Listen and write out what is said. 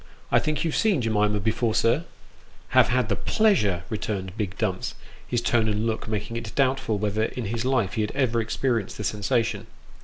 I think you've seen Jemima before, sir ?"" Have had the pleasure," returned big Dumps, his tone and look making it doubtful whether in his life he had ever experienced the sensation.